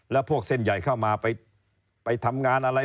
แล้วพวกเส้นใหญ่เข้ามาไปทำงานอะไร